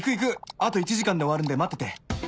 あと１時間で終わるんで待ってて」